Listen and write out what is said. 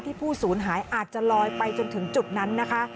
ที่ผู้ศูนย์หายอาจจะลอยไปจนถึงจุกนั้นนนะคะ